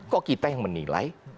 kok kita yang menilai